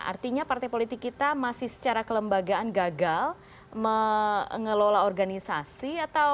artinya partai politik kita masih secara kelembagaan gagal mengelola organisasi atau